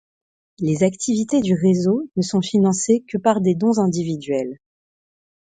Les activités du réseau ne sont financées que par des dons individuels.